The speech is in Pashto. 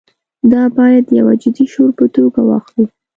دا باید د یوه جدي شعور په توګه واخلو.